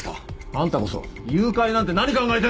あんたこそ誘拐なんて何考えてんだ！